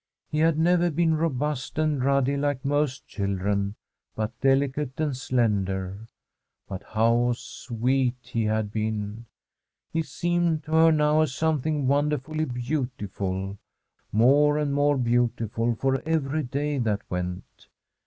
He had never been robust and ruddy like most children, but delicate and slender. But how sweet he had been I He seemed to her now as something wonderfully beautiful — more and more beautiful for every day that went.